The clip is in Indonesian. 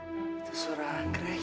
itu suara anggrek